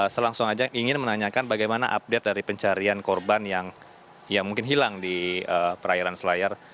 selangsung aja ingin menanyakan bagaimana update dari pencarian korban yang mungkin hilang di perairan selayar